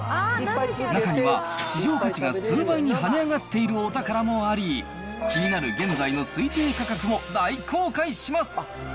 中には、市場価値が数倍に跳ね上がっているお宝もあり、気になる現在の推定価格も大公開します。